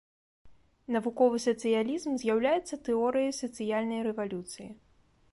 Навуковы сацыялізм з'яўляецца тэорыяй сацыяльнай рэвалюцыі.